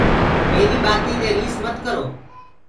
ميريٚ ڀآتينٚ دي ريس مت ڪرو۔